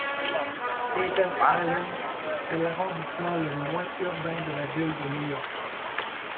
Staten Island est l'arrondissement le moins urbain de la ville de New York.